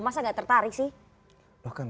masa gak tertarik sih